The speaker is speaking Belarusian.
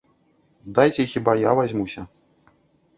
Дайце хіба я вазьмуся.